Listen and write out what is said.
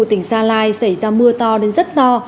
tỉnh gia lai xảy ra mưa to đến rất to